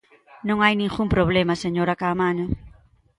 Non hai ningún problema, señora Caamaño.